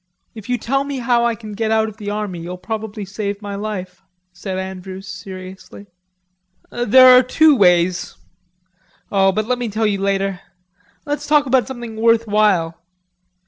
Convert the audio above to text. "If you tell me how I can get out of the army you'll probably save my life," said Andrews seriously. "There are two ways...Oh, but let me tell you later. Let's talk about something worth while...